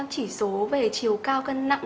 chỉ số về chiều cao cân nặng